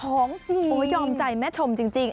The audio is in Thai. ท้องจริงโอ้ยยอมใจแม่ชมจริง